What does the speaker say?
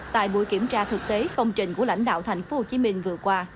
tại buổi kiểm tra thực tế công trình của lãnh đạo thành phố hồ chí minh vừa qua